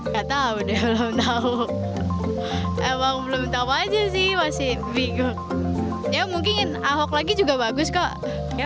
gak tau deh belum tau emang belum tau aja sih masih bigeng ya mungkin ahok lagi juga bagus kok